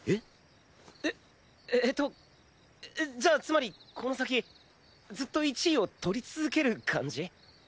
えっ！？ええっとじゃあつまりこの先ずっと１位を取り続ける感じ？